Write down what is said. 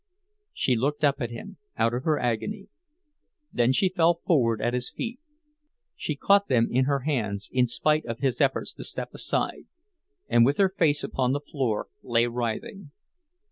She looked up at him, out of her agony; then she fell forward at his feet. She caught them in her hands, in spite of his efforts to step aside, and with her face upon the floor lay writhing.